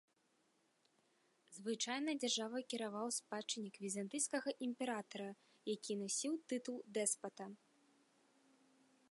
Звычайна дзяржавай кіраваў спадчыннік візантыйскага імператара, які насіў тытул дэспата.